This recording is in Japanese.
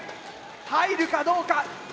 入るかどうか。